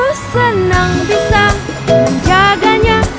kau senang bisa menjaganya